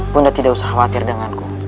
bunda tidak usah khawatir denganku